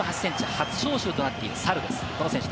初招集となっているサルです。